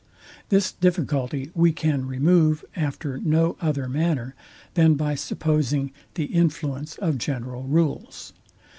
This difficulty we can remove after no other manner, than by supposing the influence of general rules.